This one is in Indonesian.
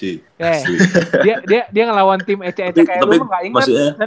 eh dia ngelawan tim ec ec kayak lu lu nggak inget